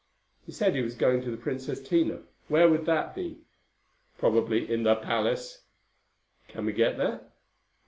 "He said he was going to the Princess Tina. Where would that be?" "Probably in the palace." "Can we get there?"